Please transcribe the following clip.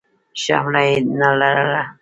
شمله يې نه لرله.